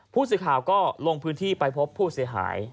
ผู้สื่อข่าวก็ลงพื้นที่ไปพบผู้เสียหาย